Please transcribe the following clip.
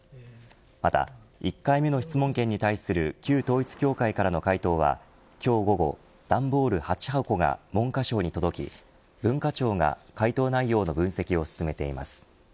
また１回目の質問権に対する旧統一教会からの回答は今日午後段ボール８箱が文科省に届き文化庁が回答内容の分析を進めています。